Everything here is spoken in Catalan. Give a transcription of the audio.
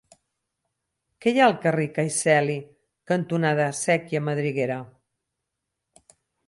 Què hi ha al carrer Cai Celi cantonada Sèquia Madriguera?